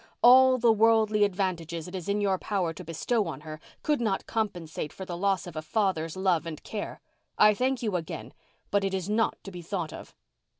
All the worldly advantages it is in your power to bestow on her could not compensate for the loss of a father's love and care. I thank you again—but it is not to be thought of."